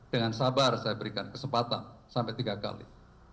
dengan sabar saya berikan kesempatan sampai tiga kali